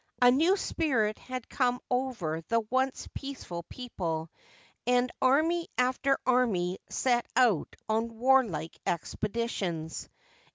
A new spirit had come over the once peaceful people, and army after army set out on warlike expeditions.